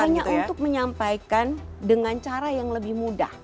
hanya untuk menyampaikan dengan cara yang lebih mudah